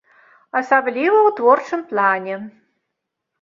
Асабліва ў творчым плане.